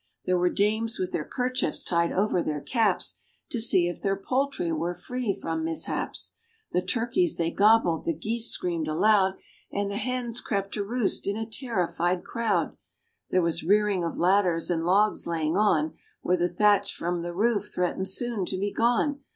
There were dames with their kerchiefs tied over their caps, To see if their poultry were free from mishaps; The turkeys they gobbled, the geese screamed aloud, And the hens crept to roost in a terrified crowd; There was rearing of ladders, and logs laying on Where the thatch from the roof threatened soon to be gone.